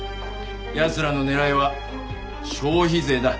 奴らの狙いは消費税だ。